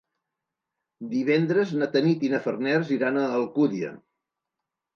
Divendres na Tanit i na Farners iran a l'Alcúdia.